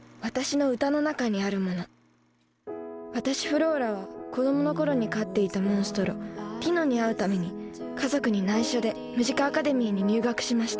私フローラは子どもの頃に飼っていたモンストロティノに会うために家族にないしょでムジカアカデミーに入学しました